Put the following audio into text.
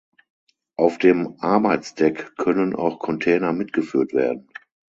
Auf dem Arbeitsdeck können auch Container mitgeführt werden.